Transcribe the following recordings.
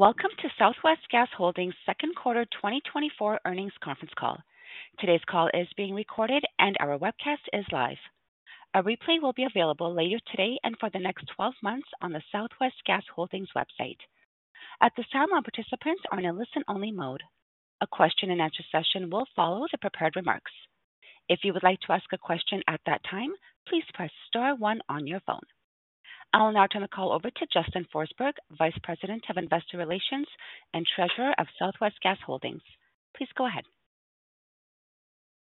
Welcome to Southwest Gas Holdings second quarter 2024 earnings conference call. Today's call is being recorded and our webcast is live. A replay will be available later today and for the next 12 months on the Southwest Gas Holdings website. At this time, all participants are in a listen-only mode. A question and answer session will follow the prepared remarks. If you would like to ask a question at that time, please press star one on your phone. I will now turn the call over to Justin Forsberg, Vice President of Investor Relations and Treasurer of Southwest Gas Holdings. Please go ahead.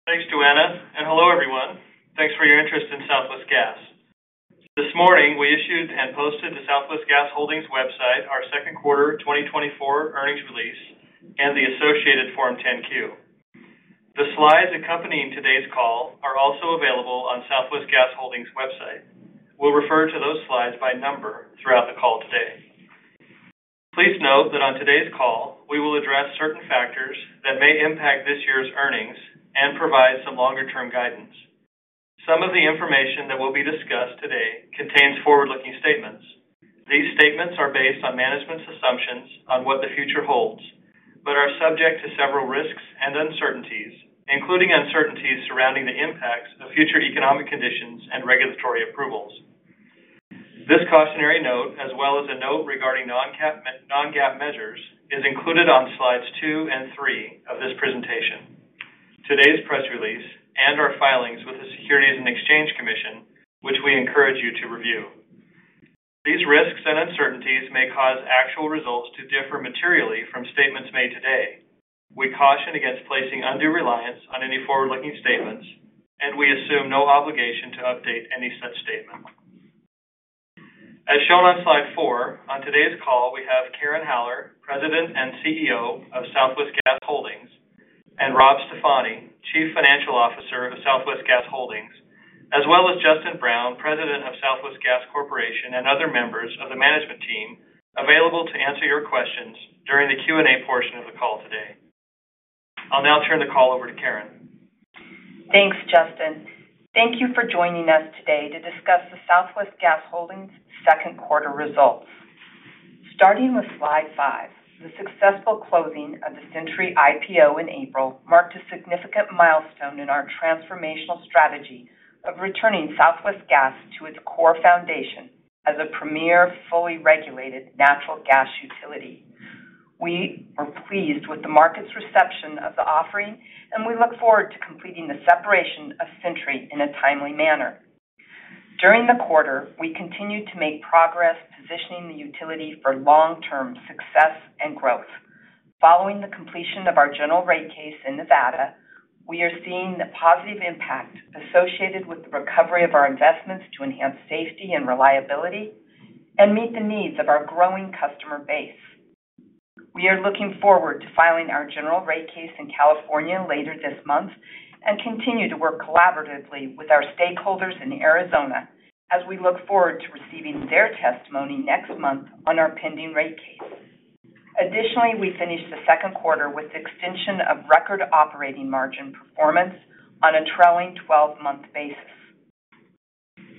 Thanks, Joanna, and hello, everyone. Thanks for your interest in Southwest Gas. This morning, we issued and posted to Southwest Gas Holdings' website our second quarter 2024 earnings release and the associated Form 10-Q. The slides accompanying today's call are also available on Southwest Gas Holdings' website. We'll refer to those slides by number throughout the call today. Please note that on today's call, we will address certain factors that may impact this year's earnings and provide some longer-term guidance. Some of the information that will be discussed today contains forward-looking statements. These statements are based on management's assumptions on what the future holds, but are subject to several risks and uncertainties, including uncertainties surrounding the impacts of future economic conditions and regulatory approvals. This cautionary note, as well as a note regarding non-GAAP measures, is included on slides two and three of this presentation, today's press release, and our filings with the Securities and Exchange Commission, which we encourage you to review. These risks and uncertainties may cause actual results to differ materially from statements made today. We caution against placing undue reliance on any forward-looking statements, and we assume no obligation to update any such statement. As shown on slide four, on today's call, we have Karen Haller, President and CEO of Southwest Gas Holdings, and Rob Stefani, Chief Financial Officer of Southwest Gas Holdings, as well as Justin Brown, President of Southwest Gas Corporation, and other members of the management team available to answer your questions during the Q&A portion of the call today. I'll now turn the call over to Karen. Thanks, Justin. Thank you for joining us today to discuss the Southwest Gas Holdings second quarter results. Starting with slide five, the successful closing of the Centuri IPO in April marked a significant milestone in our transformational strategy of returning Southwest Gas to its core foundation as a premier, fully regulated natural gas utility. We are pleased with the market's reception of the offering, and we look forward to completing the separation of Centuri in a timely manner. During the quarter, we continued to make progress positioning the utility for long-term success and growth. Following the completion of our general rate case in Nevada, we are seeing the positive impact associated with the recovery of our investments to enhance safety and reliability and meet the needs of our growing customer base. We are looking forward to filing our general rate case in California later this month and continue to work collaboratively with our stakeholders in Arizona as we look forward to receiving their testimony next month on our pending rate case. Additionally, we finished the second quarter with the extension of record operating margin performance on a trailing twelve-month basis.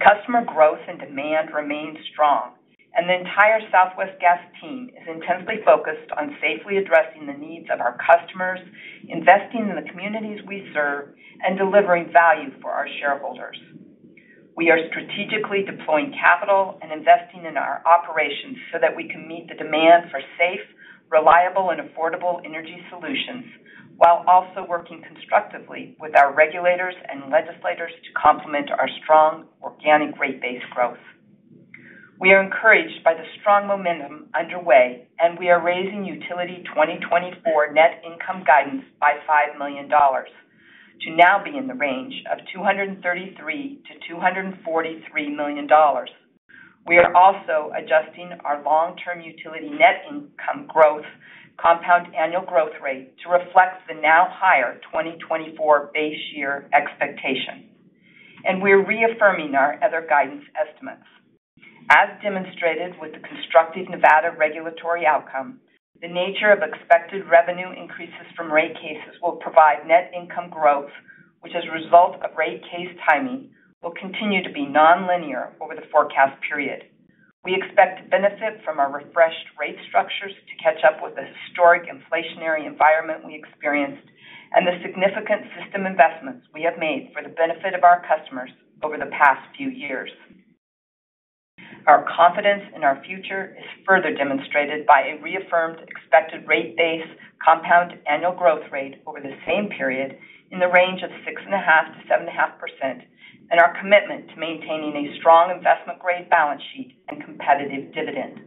Customer growth and demand remained strong, and the entire Southwest Gas team is intensely focused on safely addressing the needs of our customers, investing in the communities we serve, and delivering value for our shareholders. We are strategically deploying capital and investing in our operations so that we can meet the demand for safe, reliable, and affordable energy solutions, while also working constructively with our regulators and legislators to complement our strong organic rate base growth. We are encouraged by the strong momentum underway, and we are raising utility 2024 net income guidance by $5 million to now be in the range of $233 million to $243 million. We are also adjusting our long-term utility net income growth compound annual growth rate to reflect the now higher 2024 base year expectation, and we're reaffirming our other guidance estimates. As demonstrated with the constructive Nevada regulatory outcome, the nature of expected revenue increases from rate cases will provide net income growth, which, as a result of rate case timing, will continue to be nonlinear over the forecast period. We expect to benefit from our refreshed rate structures to catch up with the historic inflationary environment we experienced and the significant system investments we have made for the benefit of our customers over the past few years. Our confidence in our future is further demonstrated by a reaffirmed expected rate base compound annual growth rate over the same period in the range of 6.5% to 7.5%, and our commitment to maintaining a strong investment-grade balance sheet and competitive dividend.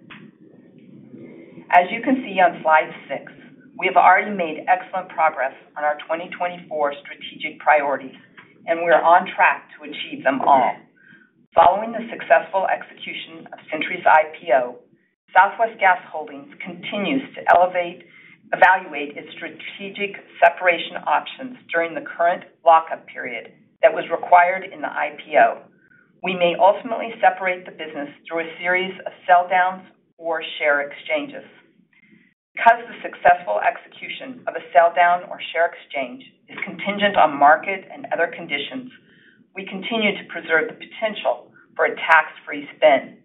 As you can see on slide six, we have already made excellent progress on our 2024 strategic priorities, and we are on track to achieve them all. Following the successful execution of Centuri's IPO, Southwest Gas Holdings continues to evaluate its strategic separation options during the current lockup period that was required in the IPO. We may ultimately separate the business through a series of sell-downs or share exchanges. Because the successful execution of a sell-down or share exchange is contingent on market and other conditions,... We continue to preserve the potential for a tax-free spin,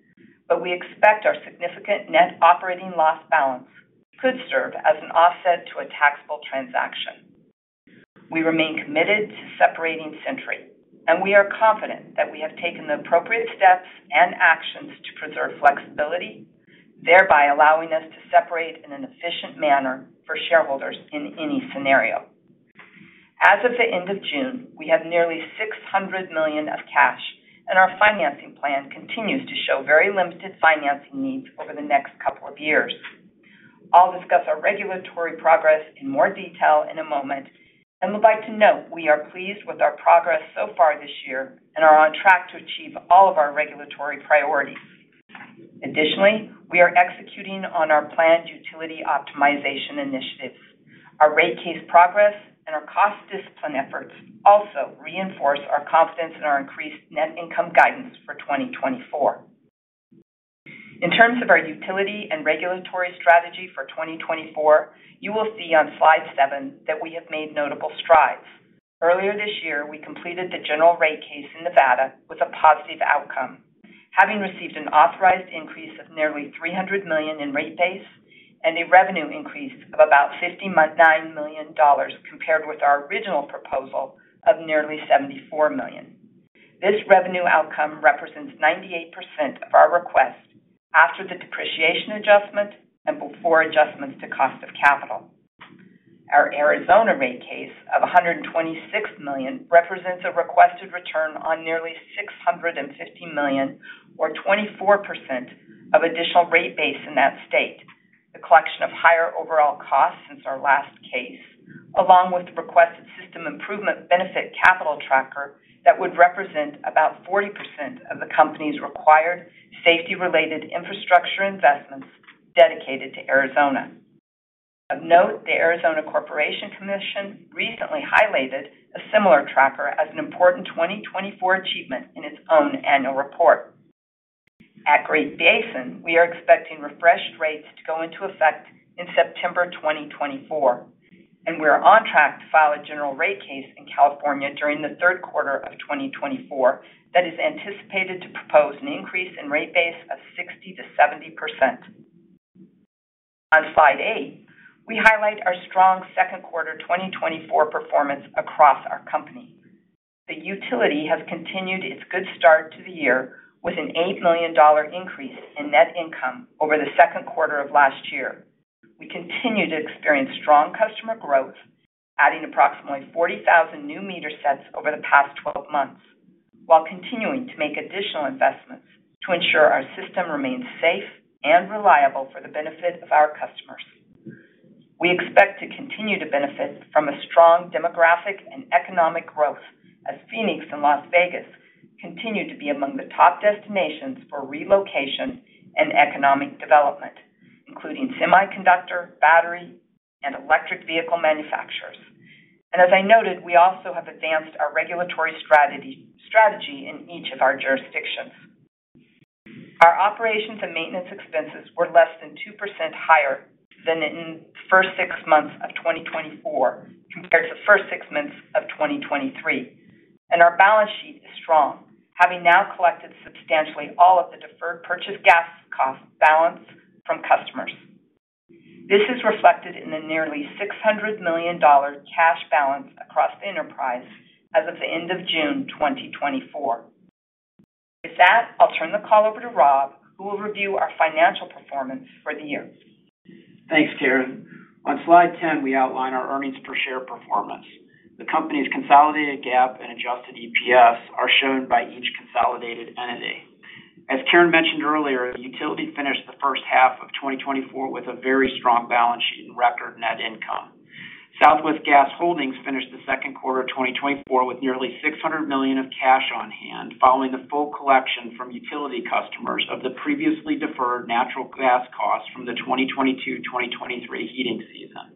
but we expect our significant net operating loss balance could serve as an offset to a taxable transaction. We remain committed to separating Centuri, and we are confident that we have taken the appropriate steps and actions to preserve flexibility, thereby allowing us to separate in an efficient manner for shareholders in any scenario. As of the end of June, we have nearly $600 million of cash, and our financing plan continues to show very limited financing needs over the next couple of years. I'll discuss our regulatory progress in more detail in a moment, and would like to note we are pleased with our progress so far this year and are on track to achieve all of our regulatory priorities. Additionally, we are executing on our planned utility optimization initiatives. Our rate case progress and our cost discipline efforts also reinforce our confidence in our increased net income guidance for 2024. In terms of our utility and regulatory strategy for 2024, you will see on slide seven that we have made notable strides. Earlier this year, we completed the general rate case in Nevada with a positive outcome, having received an authorized increase of nearly $300 million in rate base and a revenue increase of about $59 million, compared with our original proposal of nearly $74 million. This revenue outcome represents 98% of our request after the depreciation adjustment and before adjustments to cost of capital. Our Arizona rate case of $126 million represents a requested return on nearly $650 million, or 24%, of additional rate base in that state. The collection of higher overall costs since our last case, along with the requested System Improvement Benefit capital tracker, that would represent about 40% of the company's required safety-related infrastructure investments dedicated to Arizona. Of note, the Arizona Corporation Commission recently highlighted a similar tracker as an important 2024 achievement in its own annual report. At Great Basin, we are expecting refreshed rates to go into effect in September 2024, and we are on track to file a general rate case in California during the third quarter of 2024 that is anticipated to propose an increase in rate base of 60% to 70%. On slide eight, we highlight our strong second quarter 2024 performance across our company. The utility has continued its good start to the year with an $8 million increase in net income over the second quarter of last year. We continue to experience strong customer growth, adding approximately 40,000 new meter sets over the past 12 months, while continuing to make additional investments to ensure our system remains safe and reliable for the benefit of our customers. We expect to continue to benefit from a strong demographic and economic growth as Phoenix and Las Vegas continue to be among the top destinations for relocation and economic development, including semiconductor, battery, and electric vehicle manufacturers. As I noted, we also have advanced our regulatory strategy in each of our jurisdictions. Our operations and maintenance expenses were less than 2% higher than in the first six months of 2024, compared to the first six months of 2023, and our balance sheet is strong, having now collected substantially all of the deferred purchased gas cost balance from customers. This is reflected in the nearly $600 million cash balance across the enterprise as of the end of June 2024. With that, I'll turn the call over to Rob, who will review our financial performance for the year. Thanks, Karen. On slide 10, we outline our earnings per share performance. The company's consolidated GAAP and adjusted EPS are shown by each consolidated entity. As Karen mentioned earlier, the utility finished the first half of 2024 with a very strong balance sheet and record net income. Southwest Gas Holdings finished the second quarter of 2024 with nearly $600 million of cash on hand, following the full collection from utility customers of the previously deferred natural gas costs from the 2022-2023 heating season.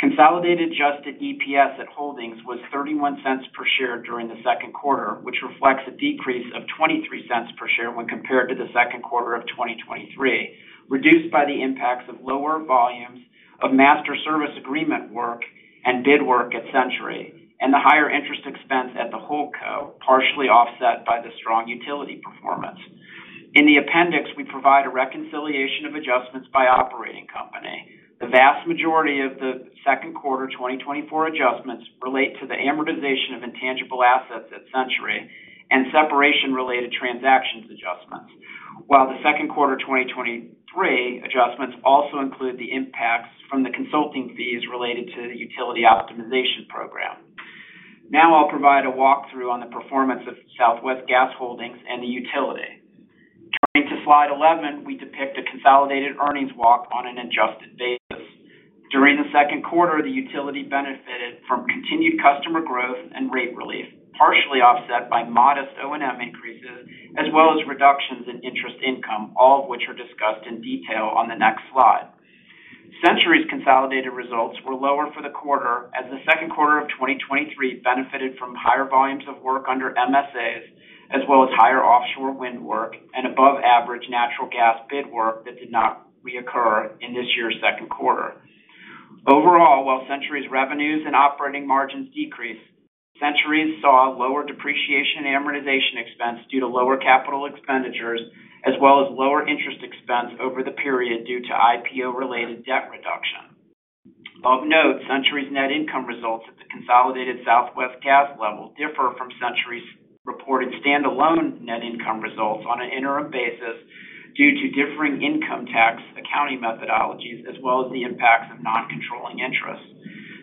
Consolidated adjusted EPS at Holdings was 31 cents per share during the second quarter, which reflects a decrease of 23 cents per share when compared to the second quarter of 2023, reduced by the impacts of lower volumes of master service agreement work and bid work at Centuri, and the higher interest expense at the holdco, partially offset by the strong utility performance. In the appendix, we provide a reconciliation of adjustments by operating company. The vast majority of the second quarter 2024 adjustments relate to the amortization of intangible assets at Centuri and separation-related transactions adjustments, while the second quarter 2023 adjustments also include the impacts from the consulting fees related to the utility optimization program. Now I'll provide a walkthrough on the performance of Southwest Gas Holdings and the utility. Turning to slide 11, we depict a consolidated earnings walk on an adjusted basis. During the second quarter, the utility benefited from continued customer growth and rate relief, partially offset by modest O&M increases, as well as reductions in interest income, all of which are discussed in detail on the next slide. Centuri's consolidated results were lower for the quarter, as the second quarter of 2023 benefited from higher volumes of work under MSAs, as well as higher offshore wind work and above-average natural gas bid work that did not reoccur in this year's second quarter. Overall, while Centuri's revenues and operating margins decreased, Centuri saw lower depreciation and amortization expense due to lower capital expenditures, as well as lower interest expense over the period due to IPO-related debt reduction. Of note, Centuri's net income results at the consolidated Southwest Gas level differ from Centuri's reported standalone net income results on an interim basis due to differing income tax accounting methodologies, as well as the impacts of non-controlling interests.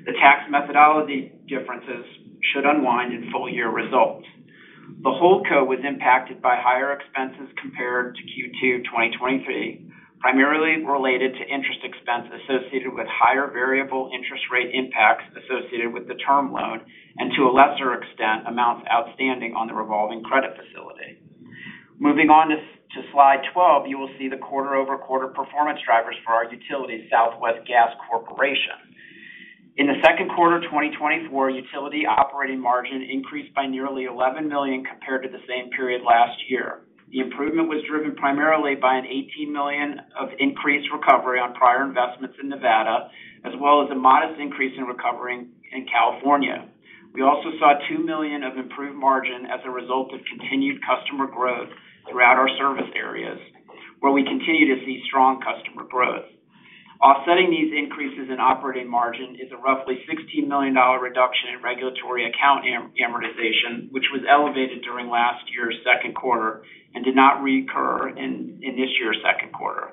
The tax methodology differences should unwind in full year results. The holdco was impacted by higher expenses compared to Q2 2023, primarily related to interest expense associated with higher variable interest rate impacts associated with the term loan and, to a lesser extent, amounts outstanding on the revolving credit facility. Moving on to slide 12, you will see the quarter-over-quarter performance drivers for our utility, Southwest Gas Corporation. In the second quarter of 2024, utility operating margin increased by nearly $11 million compared to the same period last year. The improvement was driven primarily by $18 million of increased recovery on prior investments in Nevada, as well as a modest increase in recovery in California. We also saw $2 million of improved margin as a result of continued customer growth throughout our service areas, where we continue to see strong customer growth. Offsetting these increases in operating margin is a roughly $16 million reduction in regulatory account amortization, which was elevated during last year's second quarter and did not reoccur in this year's second quarter.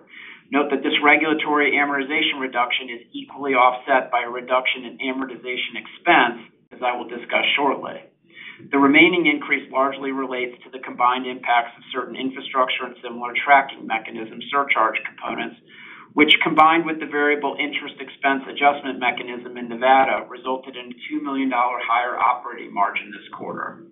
Note that this regulatory amortization reduction is equally offset by a reduction in amortization expense, as I will discuss shortly. The remaining increase largely relates to the combined impacts of certain infrastructure and similar tracking mechanism surcharge components, which, combined with the Variable Interest Expense Adjustment Mechanism in Nevada, resulted in a $2 million higher operating margin this quarter.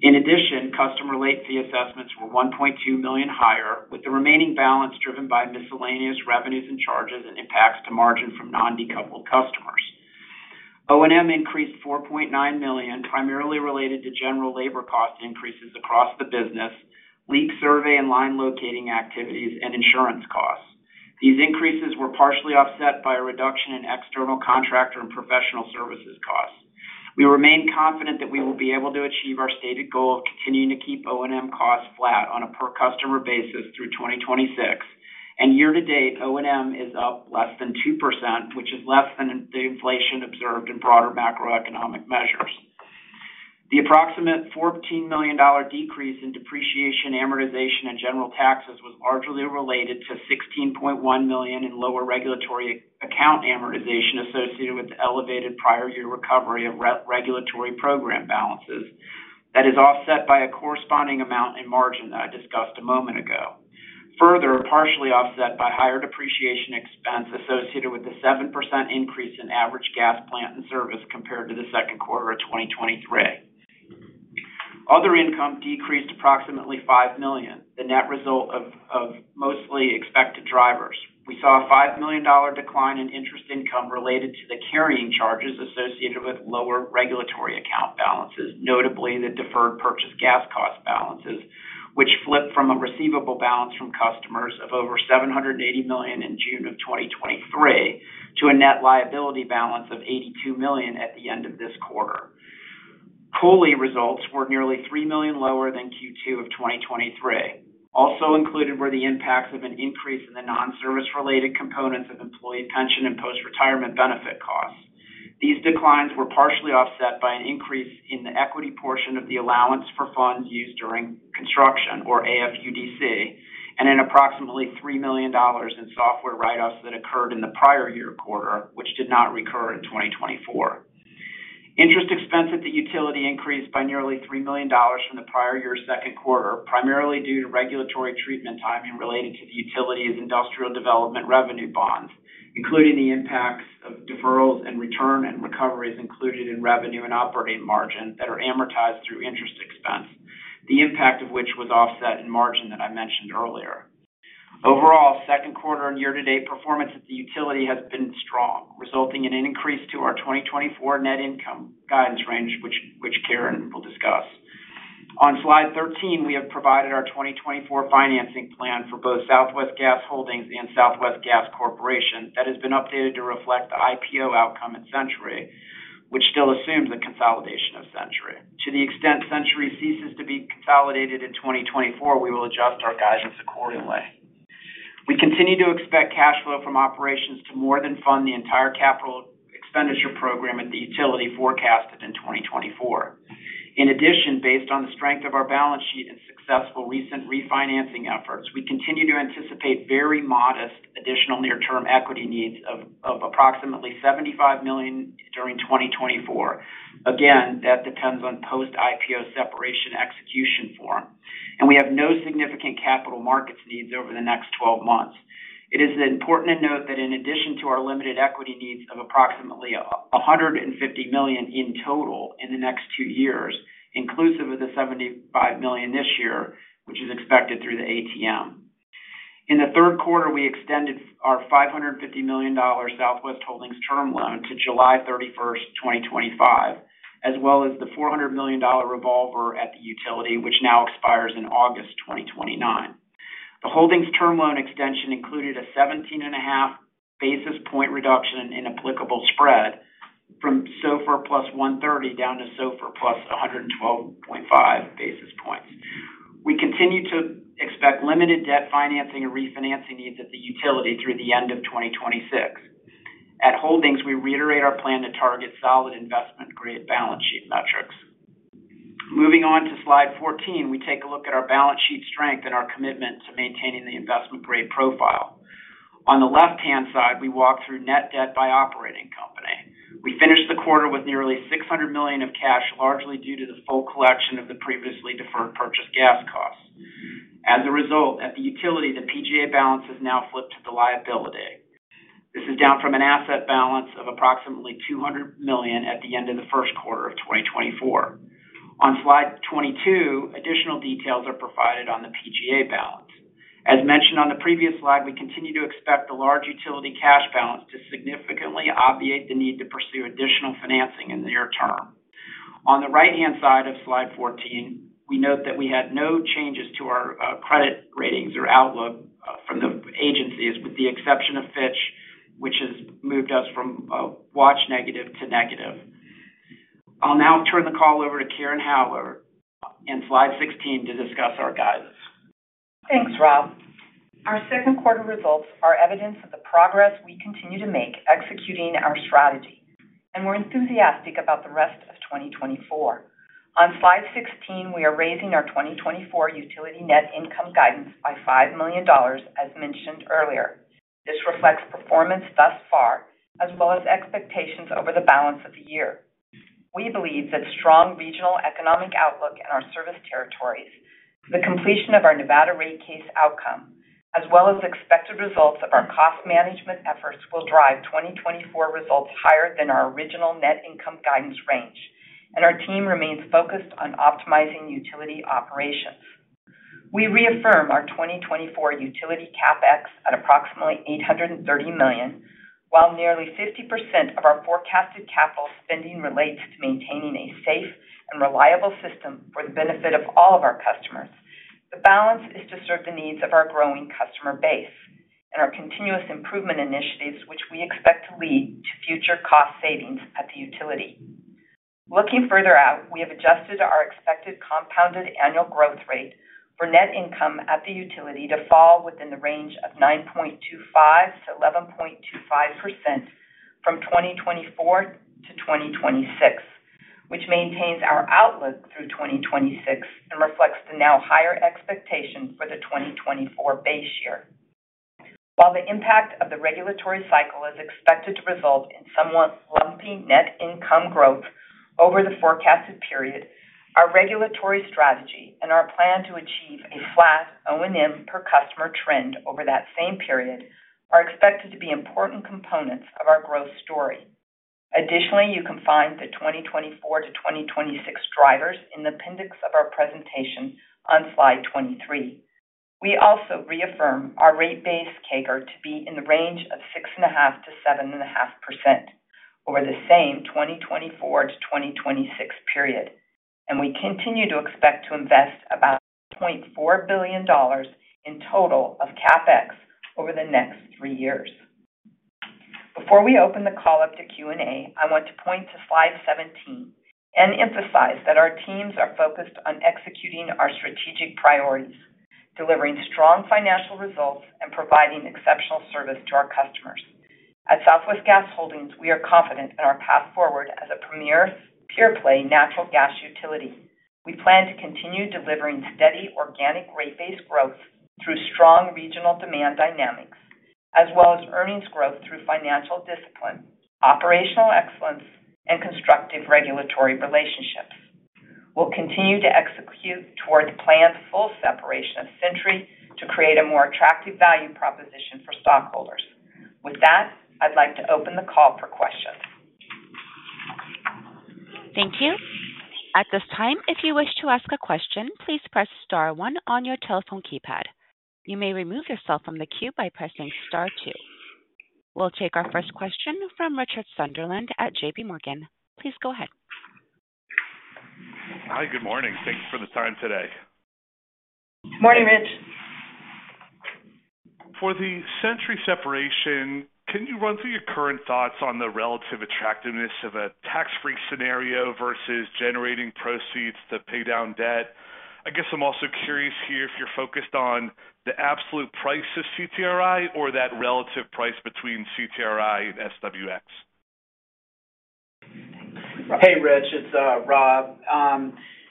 In addition, customer late fee assessments were $1.2 million higher, with the remaining balance driven by miscellaneous revenues and charges and impacts to margin from non-decoupled customers. O&M increased $4.9 million, primarily related to general labor cost increases across the business, leak survey and line locating activities, and insurance costs. These increases were partially offset by a reduction in external contractor and professional services costs. We remain confident that we will be able to achieve our stated goal of continuing to keep O&M costs flat on a per-customer basis through 2026, and year-to-date, O&M is up less than 2%, which is less than the inflation observed in broader macroeconomic measures. The approximate $14 million decrease in depreciation, amortization, and general taxes was largely related to $16.1 million in lower regulatory account amortization associated with the elevated prior-year recovery of regulatory program balances. That is offset by a corresponding amount in margin that I discussed a moment ago. Further, partially offset by higher depreciation expense associated with the 7% increase in average gas plant and service compared to the second quarter of 2023. Other income decreased approximately $5 million, the net result of mostly expected drivers. We saw a $5 million decline in interest income related to the carrying charges associated with lower regulatory account balances, notably the deferred purchased gas cost balances, which flipped from a receivable balance from customers of over $780 million in June of 2023 to a net liability balance of $82 million at the end of this quarter. COLI results were nearly $3 million lower than Q2 of 2023. Also included were the impacts of an increase in the non-service-related components of employee pension and post-retirement benefit costs. These declines were partially offset by an increase in the equity portion of the allowance for funds used during construction, or AFUDC, and an approximately $3 million in software write-offs that occurred in the prior year quarter, which did not recur in 2024. Interest expense at the utility increased by nearly $3 million from the prior year's second quarter, primarily due to regulatory treatment timing related to the utility's industrial development revenue bonds, including the impacts of deferrals and return and recoveries included in revenue and operating margin that are amortized through interest expense, the impact of which was offset in margin that I mentioned earlier. Overall, second quarter and year-to-date performance at the utility has been strong, resulting in an increase to our 2024 net income guidance range, which Karen will discuss. On slide 13, we have provided our 2024 financing plan for both Southwest Gas Holdings and Southwest Gas Corporation that has been updated to reflect the IPO outcome at Centuri, which still assumes the consolidation of Centuri. To the extent Centuri ceases to be consolidated in 2024, we will adjust our guidance accordingly. We continue to expect cash flow from operations to more than fund the entire capital expenditure program at the utility forecasted in 2024. In addition, based on the strength of our balance sheet and successful recent refinancing efforts, we continue to anticipate very modest additional near-term equity needs of approximately $75 million during 2024. Again, that depends on post-IPO separation execution form, and we have no significant capital markets needs over the next 12 months. It is important to note that in addition to our limited equity needs of approximately $150 million in total in the next two years, inclusive of the $75 million this year, which is expected through the ATM. In the third quarter, we extended our $550 million Southwest Holdings term loan to July 31, 2025, as well as the $400 million revolver at the utility, which now expires in August 2029. The Holdings term loan extension included a 17.5 basis point reduction in applicable spread from SOFR plus 130 down to SOFR plus 112.5 basis points. We continue to expect limited debt financing and refinancing needs at the utility through the end of 2026. At Holdings, we reiterate our plan to target solid investment-grade balance sheet metrics. Moving on to slide 14, we take a look at our balance sheet strength and our commitment to maintaining the investment-grade profile. On the left-hand side, we walk through net debt by operating company. We finished the quarter with nearly $600 million of cash, largely due to the full collection of the previously deferred purchased gas costs. As a result, at the utility, the PGA balance has now flipped to the liability. This is down from an asset balance of approximately $200 million at the end of the first quarter of 2024. On slide 22, additional details are provided on the PGA balance. As mentioned on the previous slide, we continue to expect the large utility cash balance to significantly obviate the need to pursue additional financing in the near term. On the right-hand side of slide 14, we note that we had no changes to our credit ratings or outlook from the agencies, with the exception of Fitch, which has moved us from Watch Negative to Negative. I'll now turn the call over to Karen Haller in slide 16 to discuss our guidance. Thanks, Rob. Our second quarter results are evidence of the progress we continue to make executing our strategy, and we're enthusiastic about the rest of 2024. On slide 16, we are raising our 2024 utility net income guidance by $5 million, as mentioned earlier. This reflects performance thus far, as well as expectations over the balance of the year. We believe that strong regional economic outlook in our service territories, the completion of our Nevada rate case outcome, as well as expected results of our cost management efforts, will drive 2024 results higher than our original net income guidance range, and our team remains focused on optimizing utility operations. We reaffirm our 2024 utility CapEx at approximately $830 million, while nearly 50% of our forecasted capital spending relates to maintaining a safe and reliable system for the benefit of all of our customers. The balance is to serve the needs of our growing customer base and our continuous improvement initiatives, which we expect to lead to future cost savings at the utility. Looking further out, we have adjusted our expected compounded annual growth rate for net income at the utility to fall within the range of 9.25% to 11.25% from 2024 to 2026, which maintains our outlook through 2026 and reflects the now higher expectation for the 2024 base year. While the impact of the regulatory cycle is expected to result in somewhat lumpy net income growth over the forecasted period, our regulatory strategy and our plan to achieve a flat O&M per customer trend over that same period, are expected to be important components of our growth story. Additionally, you can find the 2024-2026 drivers in the appendix of our presentation on slide 23. We also reaffirm our rate base CAGR to be in the range of 6.5%-7.5% over the same 2024-2026 period, and we continue to expect to invest about $0.4 billion in total of CapEx over the next 3 years. Before we open the call up to Q&A, I want to point to slide 17 and emphasize that our teams are focused on executing our strategic priorities, delivering strong financial results, and providing exceptional service to our customers. At Southwest Gas Holdings, we are confident in our path forward as a premier pure-play natural gas utility. We plan to continue delivering steady, organic, rate-based growth through strong regional demand dynamics, as well as earnings growth through financial discipline, operational excellence, and constructive regulatory relationships. We'll continue to execute toward the planned full separation of Centuri to create a more attractive value proposition for stockholders. With that, I'd like to open the call for questions. Thank you. At this time, if you wish to ask a question, please press star one on your telephone keypad. You may remove yourself from the queue by pressing star two. We'll take our first question from Richard Sunderland at J.P. Morgan. Please go ahead. Hi, good morning. Thank you for the time today. Morning, Rich. For the Centuri separation, can you run through your current thoughts on the relative attractiveness of a tax-free scenario versus generating proceeds to pay down debt? I guess I'm also curious here if you're focused on the absolute price of CTRI or that relative price between CTRI and SWX. Hey, Rich, it's Rob.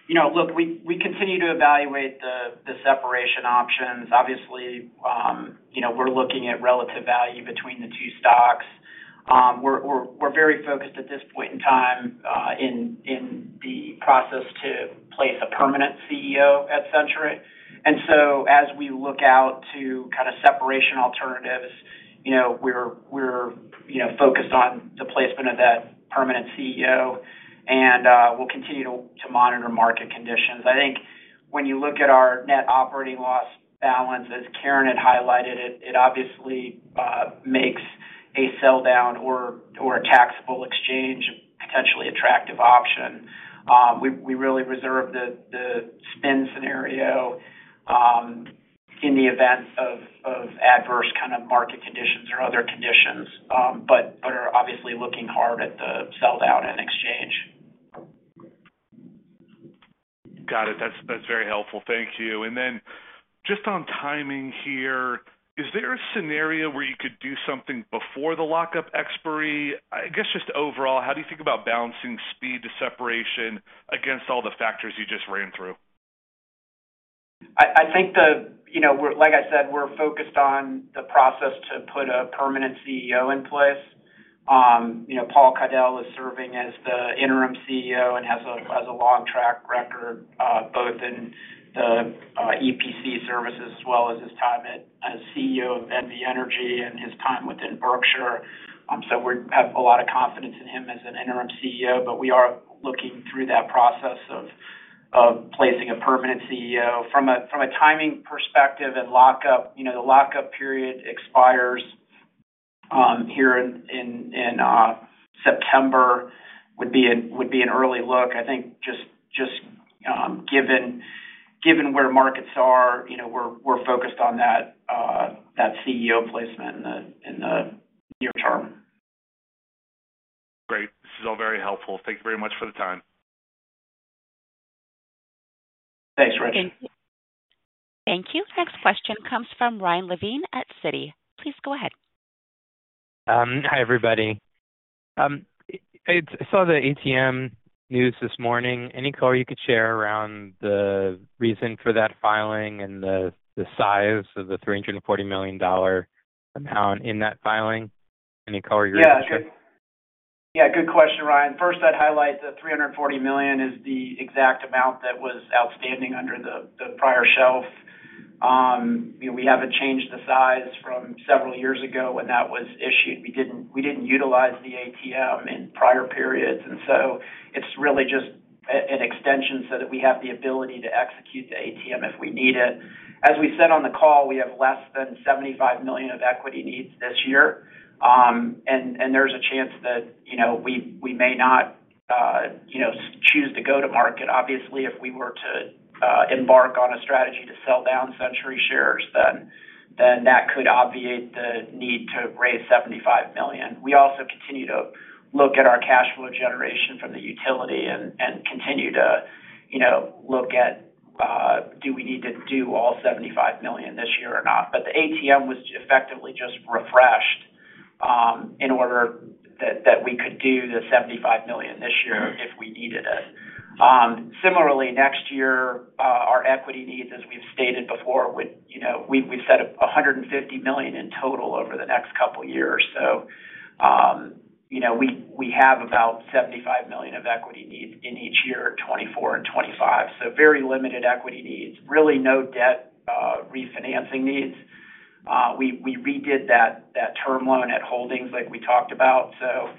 You know, look, we continue to evaluate the separation options. Obviously, you know, we're looking at relative value between the two stocks. We're very focused at this point in time in the process to place a permanent CEO at Centuri. And so as we look out to kind of separation alternatives, you know, we're focused on the placement of that permanent CEO, and we'll continue to monitor market conditions. I think when you look at our net operating loss balance, as Karen had highlighted it, it obviously makes a sell-down or a taxable exchange a potentially attractive option. We really reserve the spin scenario in the event of adverse kind of market conditions or other conditions, but are obviously looking hard at the sell-down and exchange. Got it. That's, that's very helpful. Thank you. And then just on timing here, is there a scenario where you could do something before the lockup expiry? I guess, just overall, how do you think about balancing speed to separation against all the factors you just ran through? I think the—you know, we're—like I said, we're focused on the process to put a permanent CEO in place. You know, Paul Caudill is serving as the interim CEO and has a long track record both in the EPC service, as well as his time at, as CEO of NV Energy and his time within Berkshire. So we have a lot of confidence in him as an interim CEO, but we are looking through that process of placing a permanent CEO. From a timing perspective and lockup, you know, the lock-up period expires here in September, would be an early look. I think just given where markets are, you know, we're focused on that CEO placement in the near term. Great. This is all very helpful. Thank you very much for the time. Thanks, Rich. Thank you. Next question comes from Ryan Levine at Citi. Please go ahead. Hi, everybody. I saw the ATM news this morning. Any color you could share around the reason for that filing and the size of the $340 million amount in that filing? Any color you could share? Yeah. Yeah, good question, Ryan. First, I'd highlight the $340 million is the exact amount that was outstanding under the prior shelf. You know, we haven't changed the size from several years ago when that was issued. We didn't utilize the ATM in prior periods, and so it's really just an extension so that we have the ability to execute the ATM if we need it. As we said on the call, we have less than $75 million of equity needs this year. And there's a chance that, you know, we may not choose to go to market. Obviously, if we were to embark on a strategy to sell-down Centuri shares, then that could obviate the need to raise $75 million. We also continue to look at our cash flow generation from the utility and continue to, you know, look at, do we need to do all $75 million this year or not? But the ATM was effectively just refreshed, in order that we could do the $75 million this year if we needed it. Similarly, next year, our equity needs, as we've stated before, would, you know, we've said $150 million in total over the next couple of years. So, you know, we have about $75 million of equity needs in each year, 2024 and 2025. So very limited equity needs. Really no debt refinancing needs. We redid that term loan at holdings like we talked about. So,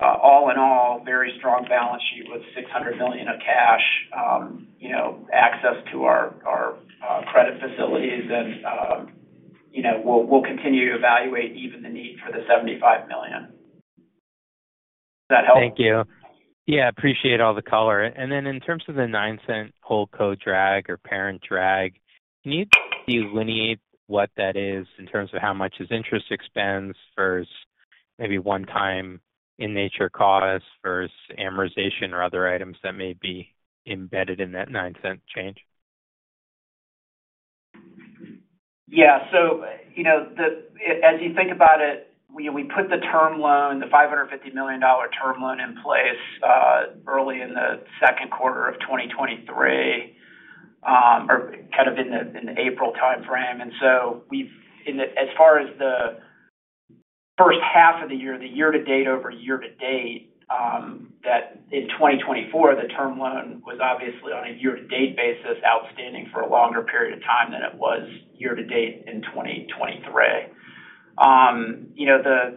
all in all, very strong balance sheet with $600 million of cash, you know, access to our credit facilities and, you know, we'll continue to evaluate even the need for the $75 million. Does that help? Thank you. Yeah, appreciate all the color. And then in terms of the $0.09 holdco drag or parent drag, can you delineate what that is in terms of how much is interest expense versus maybe one-time in nature costs versus amortization or other items that may be embedded in that $0.09 change? Yeah. So, you know, as you think about it, we put the term loan, the $550 million term loan in place early in the second quarter of 2023, or kind of in the April timeframe. And so we've in the as far as the first half of the year, the year to date over year to date, that in 2024, the term loan was obviously on a year to date basis, outstanding for a longer period of time than it was year to date in 2023. You know,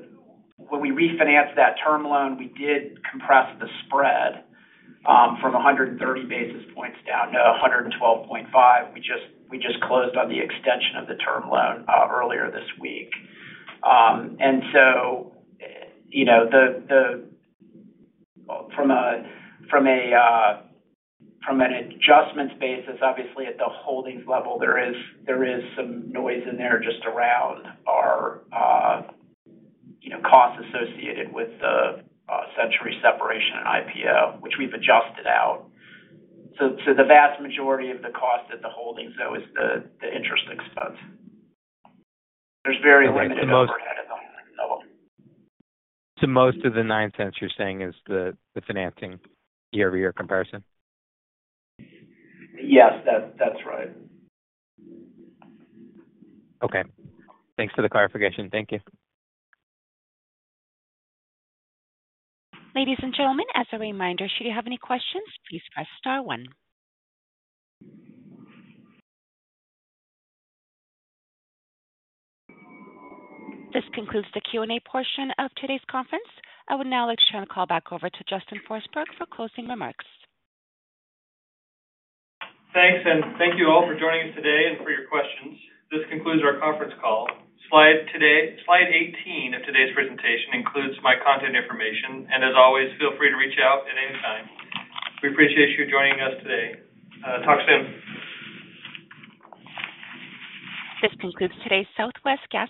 when we refinanced that term loan, we did compress the spread from 130 basis points down to 112.5. We just closed on the extension of the term loan earlier this week. You know, from an adjusted basis, obviously at the holdings level, there is some noise in there just around our, you know, costs associated with the Centuri separation and IPO, which we've adjusted out. So the vast majority of the cost of the holdings, though, is the interest expense. There's very limited overhead in the holdco. So most of the $0.09 you're saying is the financing year-over-year comparison? Yes, that, that's right. Okay. Thanks for the clarification. Thank you. Ladies and gentlemen, as a reminder, should you have any questions, please press star one. This concludes the Q&A portion of today's conference. I would now like to turn the call back over to Justin Forsberg for closing remarks. Thanks, and thank you all for joining us today and for your questions. This concludes our conference call. Slide 18 of today's presentation includes my contact information, and as always, feel free to reach out at any time. We appreciate you joining us today. Talk soon. This concludes today's Southwest Gas-